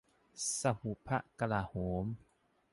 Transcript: สมุหพระกลาโหม